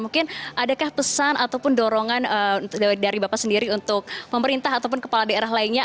mungkin adakah pesan ataupun dorongan dari bapak sendiri untuk pemerintah ataupun kepala daerah lainnya